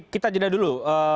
kita jenah dulu